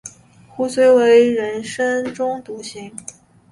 壶遂为人深中笃行。